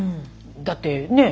だってねえ。